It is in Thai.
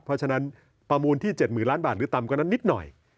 เพราะฉะนั้นประมูลที่๗๐๐ล้านบาทหรือต่ำกว่านั้นนิดหน่อย